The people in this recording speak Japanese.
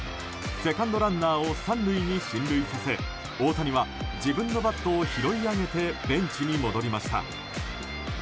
セカンドランナーを３塁に進塁させ大谷は自分のバットを拾い上げてベンチに戻りました。